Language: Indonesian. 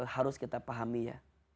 harus kita pahami ya